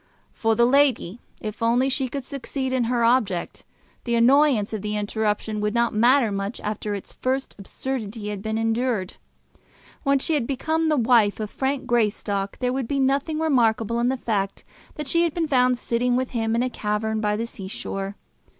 For the lady, if only she could succeed in her object, the annoyance of the interruption would not matter much after its first absurdity had been endured. When she had become the wife of Frank Greystock there would be nothing remarkable in the fact that she had been found sitting with him in a cavern by the sea shore.